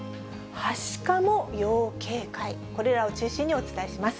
はしかも要警戒、これらを中心にお伝えします。